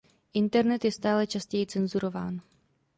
Internet je stále častěji cenzurován.